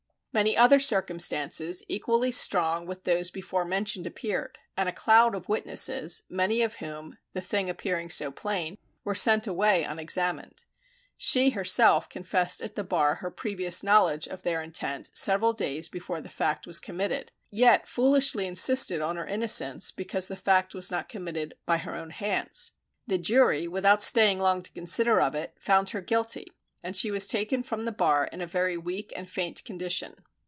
Many other circumstances equally strong with those before mentioned appeared, and a cloud of witnesses, many of whom (the thing appearing so plain) were sent away unexamined. She herself confessed at the bar her previous knowledge of their intent several days before the fact was committed; yet foolishly insisted on her innocence, because the fact was not committed by her own hands. The jury, without staying long to consider of it, found her guilty, and she was taken from the bar in a very weak and faint condition.